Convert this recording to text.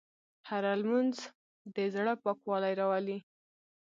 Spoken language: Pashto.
هره لمونځ د زړه پاکوالی راولي.